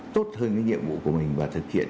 tốt hơn cái nhiệm vụ của mình và thực hiện